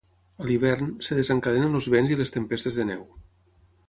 A l'hivern, es desencadenen els vents i les tempestes de neu.